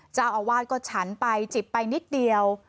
เจ้าอาวาสก็ฉันไปจิบไปนิดเดียว